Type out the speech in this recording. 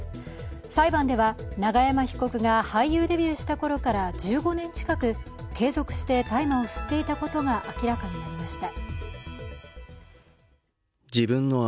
裁判では、永山被告が俳優デビューしたころから１５年近く、継続して大麻を吸っていたことが明らかになりました。